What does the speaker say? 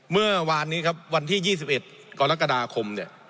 เมื่อวานนี้ครับวันที่๒๑กรกฎาคมเนี่ย